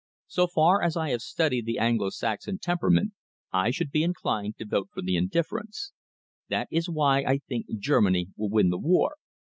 So far as I have studied the Anglo Saxon temperament, I should be inclined to vote for the indifference. That is why I think Germany will win the war.